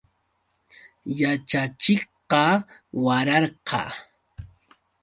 Yaćhachiqqa wararqa.